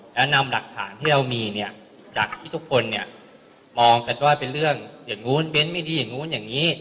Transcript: และนำหลักฐานที่เรามีเนี่ยจากที่ทุกคนเนี่ยมองกันว่าเป็นเรื่องอย่างนู้นเน้นไม่ดีอย่างนู้นอย่างนี้